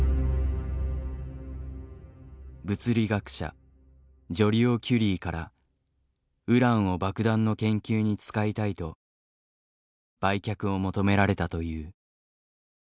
物理学者ジョリオ・キュリーからウランを爆弾の研究に使いたいと売却を求められたという。